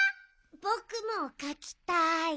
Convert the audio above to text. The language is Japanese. ぼくもかきたい。